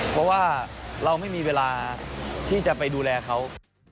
เพราะว่าเราไม่มีเวลาที่จะไปดูแลเขา